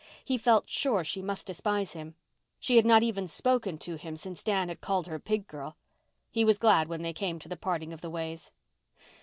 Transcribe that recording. He felt sure she must despise him. She had not even spoken to him since Dan had called her pig girl. He was glad when they came to the parting of the ways.